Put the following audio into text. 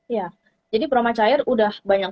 ya jadi peromah cair sudah banyak